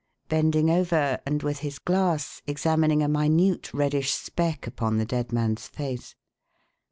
bending over and, with his glass, examining a minute reddish speck upon the dead man's face.